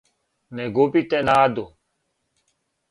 Не губите наду!